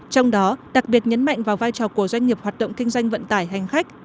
trong đó đặc biệt nhấn mạnh vào vai trò của doanh nghiệp hoạt động kinh doanh vận tải hành khách